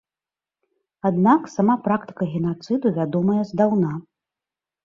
Аднак, сама практыка генацыду вядомая здаўна.